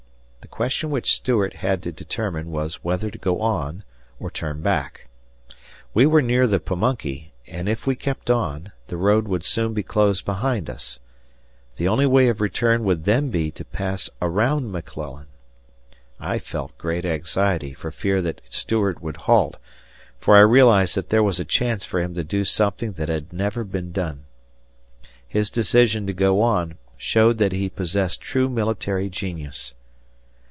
The question which Stuart had to determine was whether to go on or turn back. We were near the Pamunkey, and if we kept on, the road would soon be closed behind us. The only way of return would then be to pass around McClellan. I felt great anxiety for fear that Stuart would halt, for I realized that there was a chance for him to do something that had never been done. His decision to go on showed that he possessed true military genius.